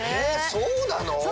そうなの！